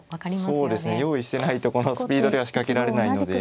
そうですね用意してないとこのスピードでは仕掛けられないので。